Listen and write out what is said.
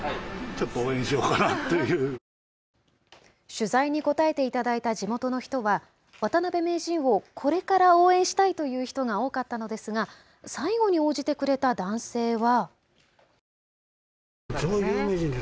取材に応えていただいた地元の人は渡辺名人をこれから応援したいという人が多かったのですが最後に応じてくれた男性は。